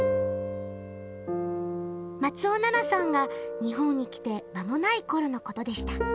松尾奈奈さんが日本に来て間もないころのことでした。